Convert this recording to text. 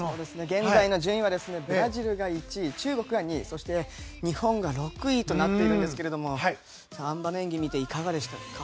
現在の順位はブラジルが１位中国が２位日本が６位となっていますがあん馬の演技を見ていかがでしたか？